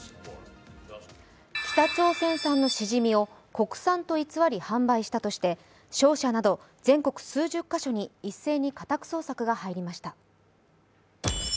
北朝鮮産のしじみを国産と偽り販売したとして商社など全国数十か所に一斉に家宅捜索が入りました。